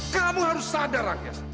kamu harus sadar rakesh